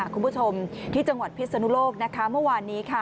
คุณผู้ชมที่จังหวัดพิศนุโลกนะคะเมื่อวานนี้ค่ะ